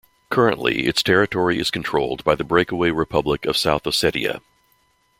Currently, its territory is controlled by the breakaway Republic of South Ossetia.